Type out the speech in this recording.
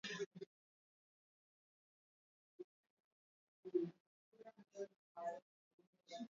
Utawala wa kijeshi ulikamata mamlaka katika mapinduzi ya Januari dhidi ya Rais Roch Kabore